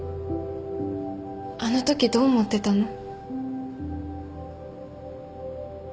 あのときどう思ってたの？